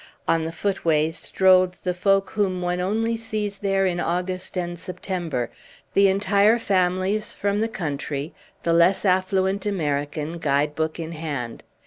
On the footways strolled the folk whom one only sees there in August and September, the entire families from the country, the less affluent American, guide book in hand.